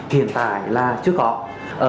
hiện tại là chưa có